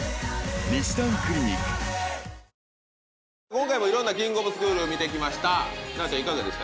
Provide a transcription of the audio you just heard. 今回も色んなキングオブスクール見てきました。